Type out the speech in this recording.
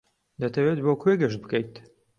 دەتەوێت بۆ کوێ گەشت بکەیت؟